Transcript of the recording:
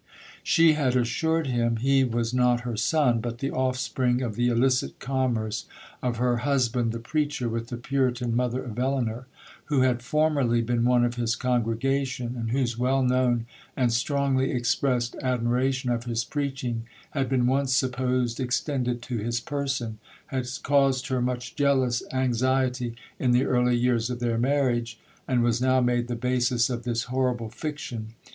She had assured him he was not her son, but the offspring of the illicit commerce of her husband the preacher with the Puritan mother of Elinor, who had formerly been one of his congregation, and whose well known and strongly expressed admiration of his preaching had been once supposed extended to his person,—had caused her much jealous anxiety in the early years of their marriage, and was now made the basis of this horrible fiction.